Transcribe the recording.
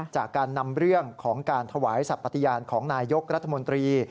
จากการนำเรื่องของการถวายสัตว์ปฏิญาณของนายยกรัฐมนตรี